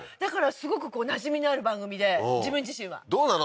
すごくなじみのある番組で自分自身はどうなの？